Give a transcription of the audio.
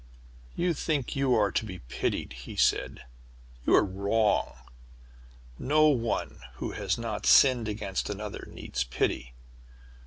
"You think you are to be pitied," he said. "You are wrong! No one who has not sinned against another needs pity.